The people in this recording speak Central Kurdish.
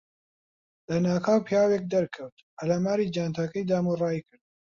لەناکاو پیاوێک دەرکەوت، پەلاماری جانتاکەی دام و ڕایکرد.